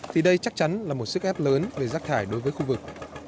thì đây chắc chắn là một sức ép lớn về rác thải đối với khu vực